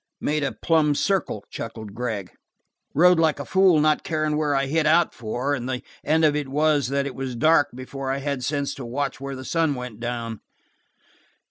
"Made a plumb circle," chuckled Gregg. "Rode like a fool not carin' where I hit out for, and the end of it was that it was dark before I'd had sense to watch where the sun went down."